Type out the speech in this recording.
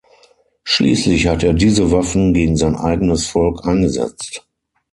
Schließlich hat er diese Waffen gegen sein eigenes Volk eingesetzt.